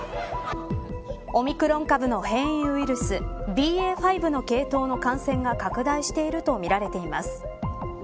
オミクロン株の変異ウイルスＢＡ．５の系統の感染が拡大しているとみられています。